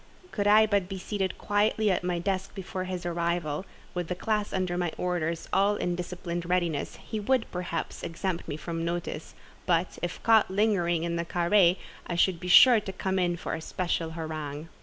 Could I but be seated quietly at my desk before his arrival, with the class under my orders all in disciplined readiness, he would, perhaps, exempt me from notice; but, if caught lingering in the carré, I should be sure to come in for a special harangue.